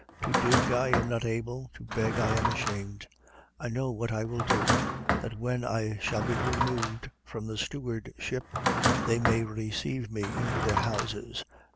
To dig I am not able; to beg I am ashamed. 16:4. I know what I will do, that when I shall be removed from the stewardship, they may receive me into their houses.